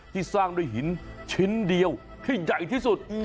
สร้างด้วยหินชิ้นเดียวที่ใหญ่ที่สุด